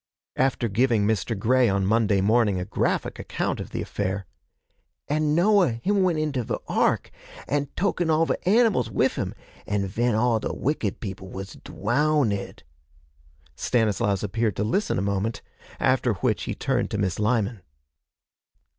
After giving Mr. Grey on Monday morning a graphic account of the affair, 'An' Noah him went into ve ark, an' token all ve animals wif him, an' ven all ve wicked people was dwown ed,' Stanislaus appeared to listen a moment, after which he turned to Miss Lyman.